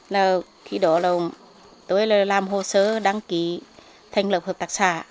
là khi đó là tôi làm hồ sơ đăng ký thành lập hợp tác xã